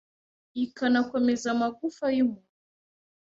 ikanakomeza amagufa y’umuntu